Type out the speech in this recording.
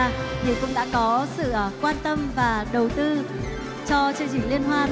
thì cũng đã có sự quan tâm và đầu tư cho chương trình liên hoan